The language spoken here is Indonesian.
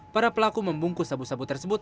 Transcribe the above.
para pelaku membungkus sabu sabu tersebut